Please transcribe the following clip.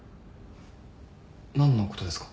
何のことですか？